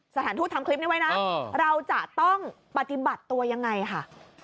สถานทูตทำคลิปนี้ไว้นะเราจะต้องปฏิบัติตัวยังไงค่ะ